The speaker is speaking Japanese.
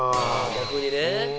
逆にね。